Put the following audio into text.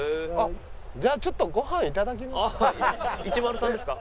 じゃあちょっとご飯頂きますか。